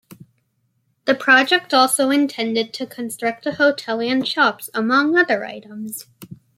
The project also intended to construct a hotel and shops, among other items.